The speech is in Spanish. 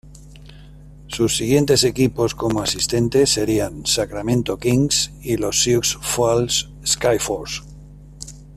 Sus siguientes equipos como asistente serían Sacramento Kings y los Sioux Falls Skyforce.